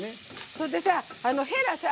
それでさ